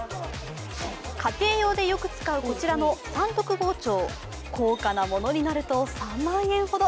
家庭用でよく使うこちらの三徳包丁、高価なものになると３万円ほど。